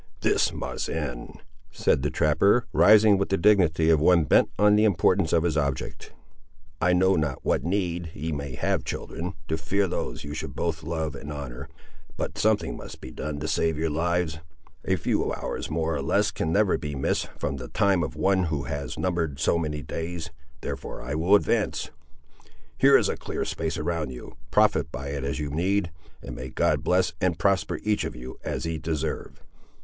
"This must end," said the trapper, rising with the dignity of one bent only on the importance of his object. "I know not what need ye may have, children, to fear those you should both love and honour, but something must be done to save your lives. A few hours more or less can never be missed from the time of one who has already numbered so many days; therefore I will advance. Here is a clear space around you. Profit by it as you need, and may God bless and prosper each of you, as ye deserve!"